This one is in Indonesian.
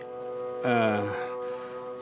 mau ngobrolin masalah kemet sama eros